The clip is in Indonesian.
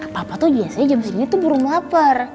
papa tuh biasanya jam segini tuh burung lapar